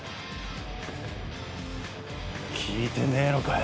効いてねえのかよ。